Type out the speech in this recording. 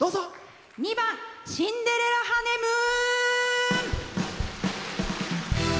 ２番「シンデレラ・ハネムーン」。